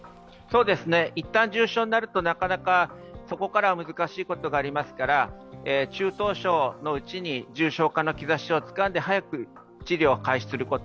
いったん重症になるとなかなかそこからは難しいことがありますから中等症のうちに重症化の兆しをつかんで早く治療を開始すること。